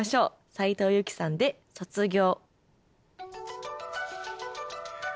斉藤由貴さんで「卒業」。